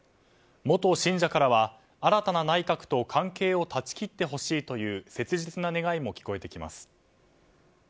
元信者からは、新たな内閣と関係を断ち切ってほしいという切実な願いも聞こえてきます。